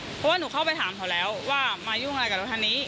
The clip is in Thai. เพราะว่าหนูเข้าไปถามเขาแล้วว่ามายุ่งอะไรกับรถคันนี้